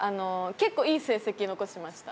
結構いい成績は残しました。